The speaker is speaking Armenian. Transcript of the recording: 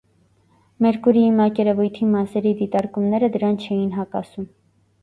Մերկուրիի մակերևույթի մասերի դիտարկումները դրան չէին հակասում։